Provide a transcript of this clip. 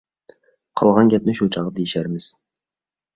قالغان گەپنى شۇ چاغدا دېيىشەرمىز.